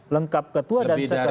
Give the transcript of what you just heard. lengkap ketua dan sekretaris